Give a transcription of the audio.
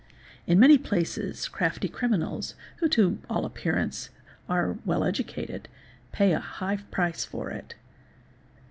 In many places crafty criminals, who to all appearance are well educated, pay a high price for it.